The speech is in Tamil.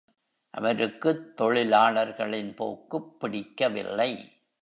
அவருக்குத் தொழிலாளர்களின் போக்குப் பிடிக்கவில்லை.